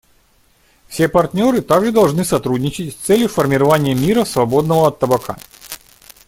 Все партнеры также должны сотрудничать с целью формирования мира, свободного от табака.